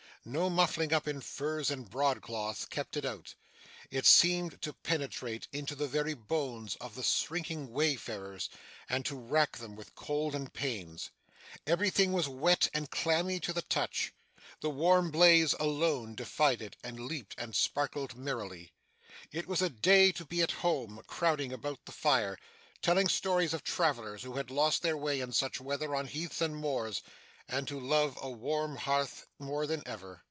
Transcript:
No muffling up in furs and broadcloth kept it out. It seemed to penetrate into the very bones of the shrinking wayfarers, and to rack them with cold and pains. Everything was wet and clammy to the touch. The warm blaze alone defied it, and leaped and sparkled merrily. It was a day to be at home, crowding about the fire, telling stories of travellers who had lost their way in such weather on heaths and moors; and to love a warm hearth more than ever.